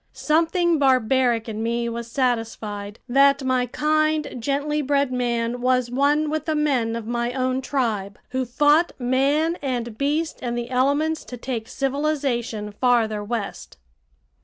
Something barbaric in me was satisfied that my kind, gently bred man was one with the men of my own tribe, who fought man and beast and the elements to take civilization farther west.